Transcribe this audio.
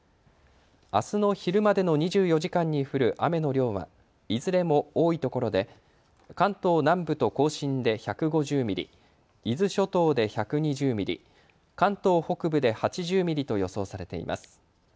あすの昼までの２４時間に降る雨の量はいずれも多いところで関東南部と甲信で１５０ミリ、伊豆諸島で１２０ミリ、関東北部で８０ミリと予想されています。